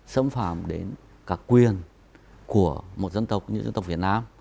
xâm phạm đến các quyền của một dân tộc như dân tộc việt nam